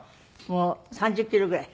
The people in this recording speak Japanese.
もう３０キロぐらい？